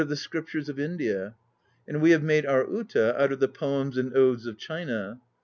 HAKU RAKUTEN 211 India; and we have made our "uta" out of the poems and odes of China.